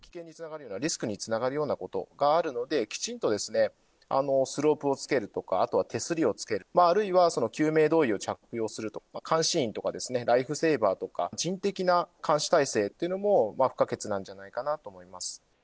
リスクにつながるようなことがあるので、きちんとスロープをつけるとか、あとは手すりをつける、あるいはその救命胴衣を着用するとか、監視員とかですね、ライフセーバーとか、人的な監視体制ってのも不可欠なんじゃないかなと思います。